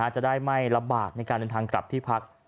จะได้ไม่ลำบากในการเดินทางกลับที่พัก